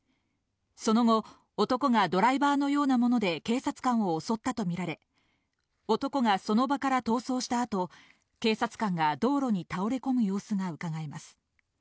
その後、男がドライバーのようなもので警察官を襲ったとみられ、男がその場から逃走した後、警察官が道路に倒れ込む様子がうかがえます。